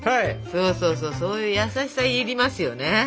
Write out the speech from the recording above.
そうそうそうそういう優しさ要りますよね。